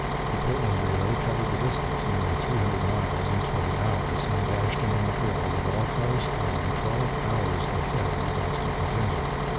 The Portland relay covered the distance, nearly three hundred miles, in twenty hours, and dashed into Montreal, with all colours flying, twelve hours ahead of the Boston contingent.